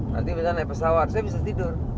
nanti bisa naik pesawat saya bisa tidur